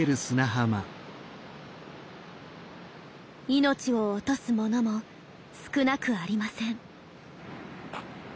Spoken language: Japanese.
命を落とすものも少なくありません。